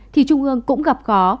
thì trung ương cũng gặp khó